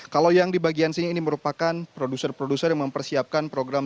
kalau yang di bagian sini ini merupakan produser produser yang mempersiapkan program